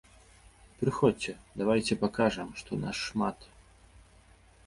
Прыходзьце, давайце пакажам, што нас шмат.